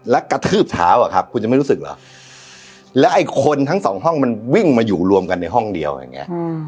แล้วกระทืบเท้าอะครับคุณจะไม่รู้สึกเหรอแล้วไอ้คนทั้งสองห้องมันวิ่งมาอยู่รวมกันในห้องเดียวอย่างนี้